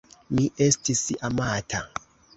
Mi estis amata.